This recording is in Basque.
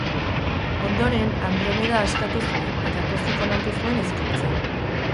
Ondoren, Andromeda askatu zuen eta pozik onartu zuen ezkontza.